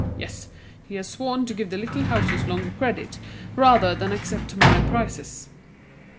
Yes, he has sworn to give the little houses longer credit, rather than accept my prices."